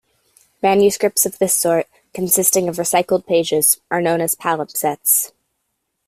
Manuscripts of this sort, consisting of recycled pages, are known as palimpsests.